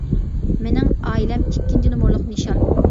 مىنىڭ ئائىلەم ئىككىنچى نومۇرلۇق نىشان.